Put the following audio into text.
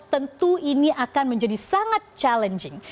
tentu ini akan menjadi sangat challenging